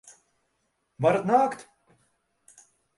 Varat nākt!